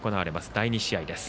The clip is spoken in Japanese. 第２試合です。